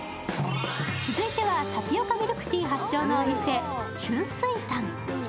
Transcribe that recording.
続いてはタピオカミルクティー発祥のお店、春水堂。